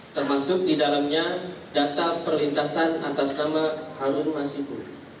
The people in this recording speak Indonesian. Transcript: termasuk di dalamnya data perlintasan atas nama harun masiku